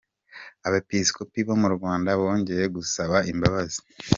Abepiskopi bo mu Rwanda bongeye gusaba imbabazi .